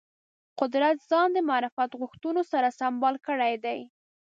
قدرت ځان د معرفت غوښتنو سره سمبال کړی دی